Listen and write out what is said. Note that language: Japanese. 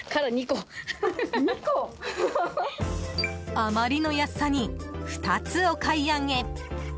あまりの安さに２つお買い上げ。